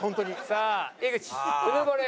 さあ井口うぬぼれ確定。